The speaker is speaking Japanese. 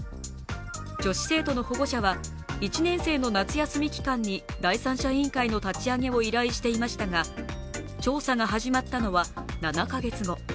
女子生徒の保護者は１年生の夏休み期間に第三者委員会の立ち上げを依頼していましたが調査が始まったのは７か月後。